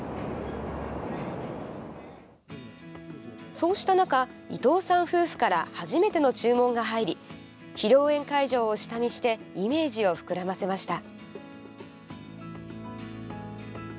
そうした中、伊藤さん夫婦から初めての注文が入り披露宴会場を下見してイメージを膨らませました。